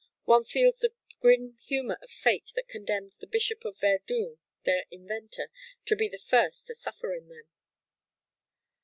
One feels the grim humour of fate that condemned the Bishop of Verdun, their inventor, to be the first to suffer in them.